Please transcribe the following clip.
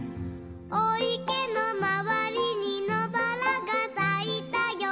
「おいけのまわりにのばらがさいたよ」